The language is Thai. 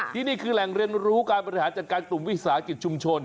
ที่นี่คือแหล่งเรียนรู้การบริหารจัดการกลุ่มวิสาหกิจชุมชน